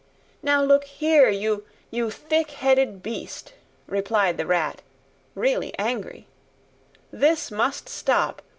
"Now look here, you—you thick headed beast," replied the Rat, really angry, "this must stop.